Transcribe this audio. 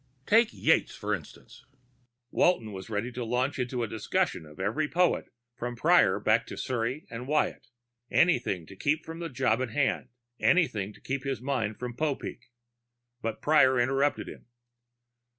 Take Yeats, for instance " Walton was ready to launch into a discussion of every poet from Prior back to Surrey and Wyatt; anything to keep from the job at hand, anything to keep his mind from Popeek. But Prior interrupted him.